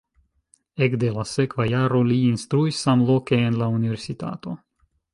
Ekde la sekva jaro li instruis samloke en la universitato.